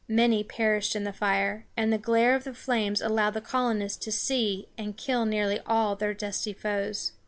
Many perished in the fire, and the glare of the flames allowed the colonists to see and kill nearly all their dusky foes.